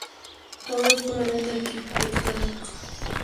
Todo es puramente arquitectónico.